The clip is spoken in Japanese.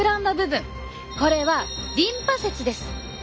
これはリンパ節です。